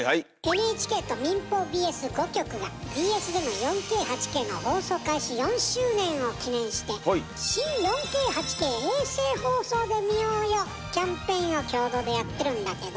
ＮＨＫと民放ＢＳ５局がＢＳでの４Ｋ８Ｋの放送開始４周年を記念して「新４Ｋ８Ｋ衛星放送で見ようよ！」キャンペーンを共同でやってるんだけど。